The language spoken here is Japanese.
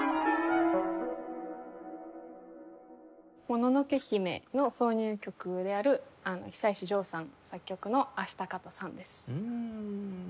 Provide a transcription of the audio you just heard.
『もののけ姫』の挿入曲である久石譲さん作曲の『アシタカとサン』です。